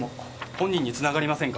本人につながりませんか？